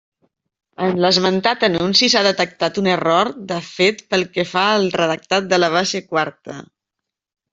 En l'esmentat anunci s'ha detectat un error de fet pel que fa al redactat de la base quarta.